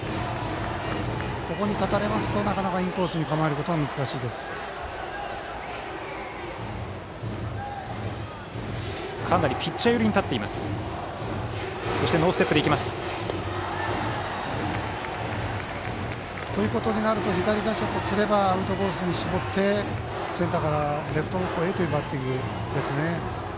ここに立たれるとなかなかインコースに構えるのは難しいです。ということになると左打者とすればアウトコースに絞ってセンターからレフト方向へというバッティングですね。